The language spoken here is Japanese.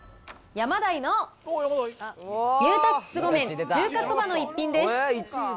ヤマダイのニュータッチ凄麺中華そばの逸品です。